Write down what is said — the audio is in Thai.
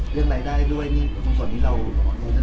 เรื่องรายได้ด้วยตรงส่วนที่เรารู้จักด้วยไหมครับ